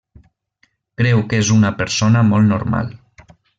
Creu que és una persona molt normal.